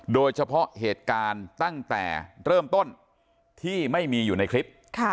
โดยเฉพาะเหตุการณ์ตั้งแต่เริ่มต้นที่ไม่มีอยู่ในคลิป